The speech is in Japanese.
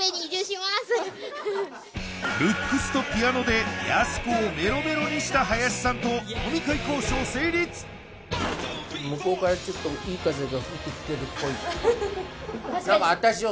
ルックスとピアノでやす子をメロメロにした林さんと飲み会交渉成立向こうからちょっといい風が吹いてきてるっぽい